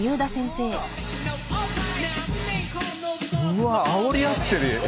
うわあおり合ってるよ。